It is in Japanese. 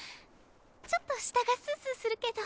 ちょっと下がスースーするけど。